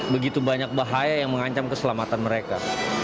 begitu banyak bahaya yang mengancam keselamatan mereka